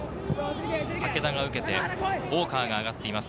武田が受けて、大川が上がっています。